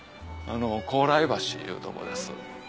高麗橋いうとこです。